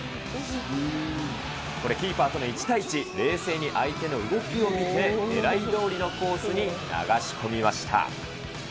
これ、キーパーとの１対１、冷静に相手の動きを見て狙いどおりのコースに流し込みました。